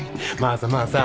まあさまあさ。